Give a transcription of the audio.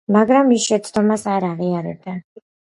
მაგრამ ის შეცდომას არ აღიარებდა.